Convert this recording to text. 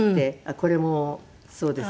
これもそうです。